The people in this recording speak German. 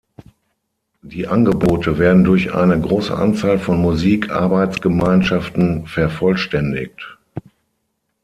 Die Angebote werden durch eine große Anzahl von Musik-Arbeitsgemeinschaften vervollständigt.